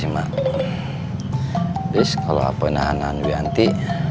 kalau saya menahan wianti